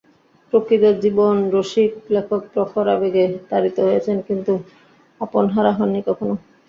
প্রকৃত জীবনরসিক লেখক প্রখর আবেগে তাড়িত হয়েছেন, কিন্তু আপনহারা হননি কখনো।